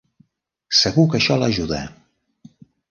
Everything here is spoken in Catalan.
Segur que això l'ajuda!